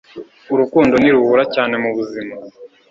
urukundo niruhura cyane mu buzima